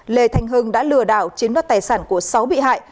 lê thanh hưng đã lừa đảo chiếm đoạt tài sản của sáu bị hại